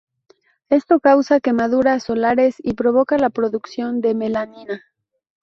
Esto causa quemaduras solares y provoca la producción de melanina.